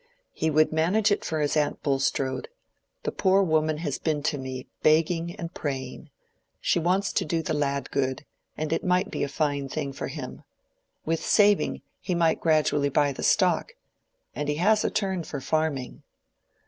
"He would manage it for his aunt Bulstrode. The poor woman has been to me begging and praying. She wants to do the lad good, and it might be a fine thing for him. With saving, he might gradually buy the stock, and he has a turn for farming."